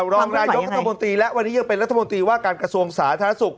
รองนายกรัฐมนตรีและวันนี้ยังเป็นรัฐมนตรีว่าการกระทรวงสาธารณสุข